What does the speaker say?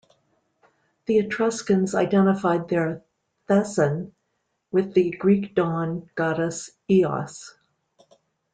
The Etruscans identified their Thesan with the Greek dawn goddess Eos.